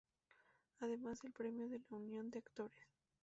Además del premio de la Unión de Actores.